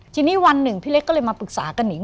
ทีนี้วันหนึ่งพี่เล็กก็เลยมาปรึกษากับหนิง